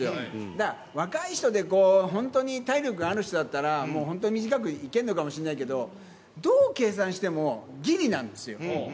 だから、若い人で本当に体力がある人だったら、もう本当、短くいけるのかもしれないけど、どう計算してもぎりなんですよ。